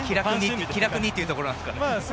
気楽にというところなんですかね。